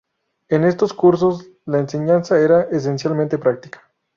En estos cursos la enseñanza era esencialmente práctica.